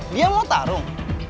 dia mau tarung